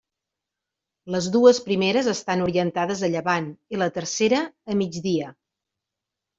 Les dues primeres estan orientades a llevant i la tercera a migdia.